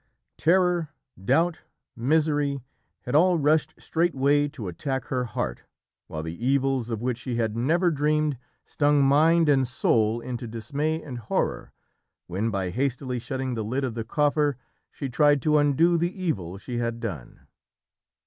Terror, doubt, misery, had all rushed straightway to attack her heart, while the evils of which she had never dreamed stung mind and soul into dismay and horror, when, by hastily shutting the lid of the coffer, she tried to undo the evil she had done.